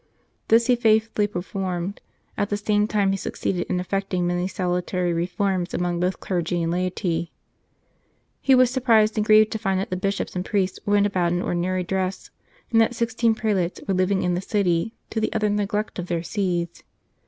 This he faithfully performed; at the same time he succeeded in effecting many salutary reforms among both clergy and laity. 178 The Reforming Cardinal He was surprised and grieved to find that the Bishops and priests went about in ordinary dress, and that sixteen prelates were living in the city, to the utter neglect of their sees.